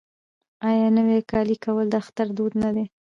آیا نوی کالی کول د اختر دود نه دی؟